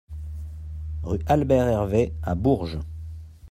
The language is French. Rue Albert Hervet à Bourges